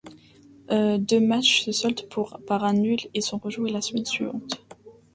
Deux matches se soldent par un nul et sont rejoués la semaine suivante.